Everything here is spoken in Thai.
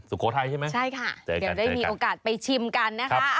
สุโขทัยใช่ไหมใช่ค่ะเดี๋ยวได้มีโอกาสไปชิมกันนะคะ